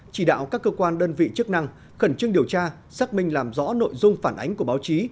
chỉ đạo các cơ quan đơn vị chức năng khẩn trương điều tra xác minh làm rõ nội dung phản ánh của báo chí